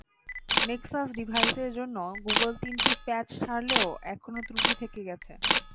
Nexus ডিভাইসের জন্য Google তিনটি প্যাঁচ ছাড়লেও এখনো ত্রুটি থেকে গেছে।